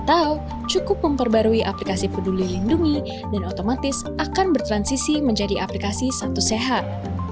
ketika di dalam aplikasi mereka akan menggunakan aplikasi yang lain untuk menggarui aplikasi peduli lindungi dan otomatis akan bertransisi menjadi aplikasi satu sehat